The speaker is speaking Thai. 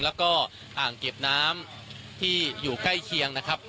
แล้วก็อ่างเก็บน้ำที่อยู่ใกล้เคียงนะครับ